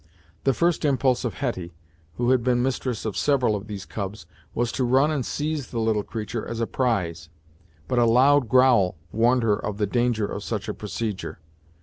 The first impulse of Hetty, who had been mistress of several of these cubs, was to run and seize the little creature as a prize, but a loud growl warned her of the danger of such a procedure.